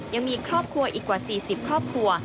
ยังมีครอบครัวอีกกว่า๔๐ครอบครัว